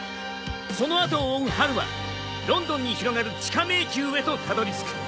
その後を追うハルはロンドンに広がる地下迷宮へとたどりつく。